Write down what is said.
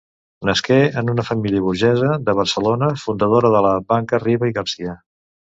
Nasqué en una família burgesa de Barcelona, fundadora de la Banca Riba i Garcia.